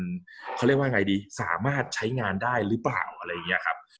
เขาเรียกว่าไงดีสามารถใช้งานได้หรือเปล่าอะไรอย่างนี้ครับ